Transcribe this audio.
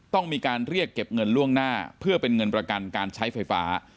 ต้องมีการเรียกเก็บเงินล่วงหน้าเพื่อเป็นเงินประกันการใช้ไฟฟ้า